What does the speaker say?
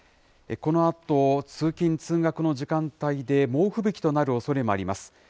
このあと通勤・通学の時間帯で、猛吹雪となるおそれもあります。